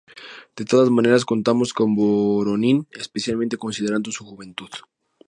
De todas maneras contamos con Voronin, especialmente considerando su juventud.